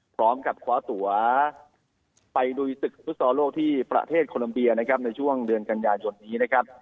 พร้อมกับคว้าตัวไปลุยศึกฟุตซอลโลกที่ประเทศโคลัมเบียนะครับในช่วงเดือนกันยายนนี้นะครับ